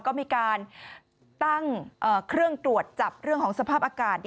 ก็มีการตั้งเครื่องตรวจจับเรื่องของสภาพอากาศ